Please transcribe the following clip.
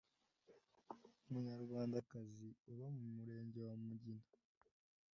Umunyarwanda kazi uba mu Murenge wa Mugina